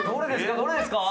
どれですか？